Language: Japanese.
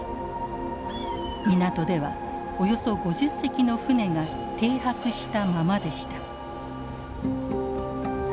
港ではおよそ５０隻の船が停泊したままでした。